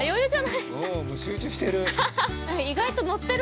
もう集中してる。